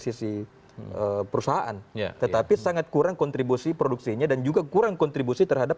sisi perusahaan tetapi sangat kurang kontribusi produksinya dan juga kurang kontribusi terhadap